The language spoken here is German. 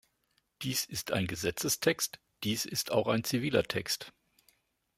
Dies ist ein Gesetzestext, dies ist auch ein ziviler Text.